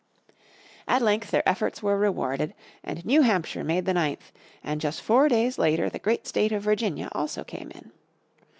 At length their efforts were rewarded and New Hampshire made the ninth, and just four days later the great State of Virginia also came in.